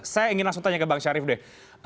saya ingin langsung tanya ke bang syarif deh